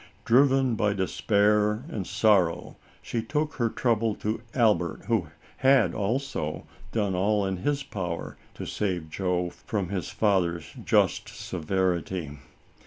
Driven by despair and sorrow she took her trouble to Albert, who had, also, done all in his power to save Joe from his father's just severity.